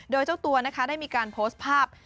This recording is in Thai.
โดยเจ้าตัวนะคะได้มีการโพสต์ภาพ